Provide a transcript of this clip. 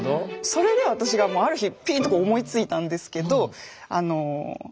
それで私がある日ピンと思いついたんですけど。